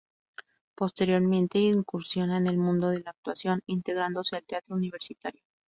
Posteriormente incursiona en el mundo de la actuación, integrándose al Teatro Universitario.